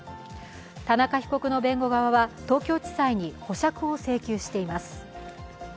田中被告の弁護側は東京地裁に保釈を請求しています。